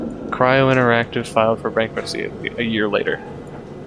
Cryo Interactive filed for bankruptcy a year later.